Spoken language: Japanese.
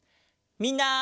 みんな。